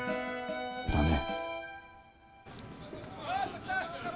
だね。